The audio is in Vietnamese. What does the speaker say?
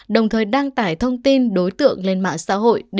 đồng thời đăng tải thông tin đối tượng lên mạng xã hội về việc mình sử dụng mát túy